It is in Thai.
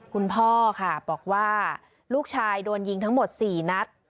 คุณพ่อค่ะบอกว่าลูกชายโดนยิงทั้งหมด๔นัด